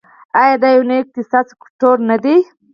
آیا دا یو نوی اقتصادي سکتور نه دی؟